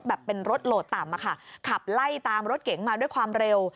เป็นรถโหลดต่ำอะค่ะขับไล่ตามรถเก๋งมาด้วยความเร็ว